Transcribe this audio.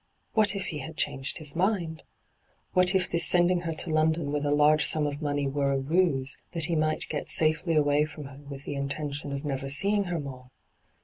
What if he had changed his mind ? What if this sending her to London with a large sum of money were a ruse, that he might get safely away from her with the intention of never seeing her more.